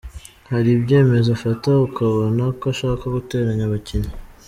Hari ibyemezo afata ukabona ko ashaka guteranya abakinnyi.”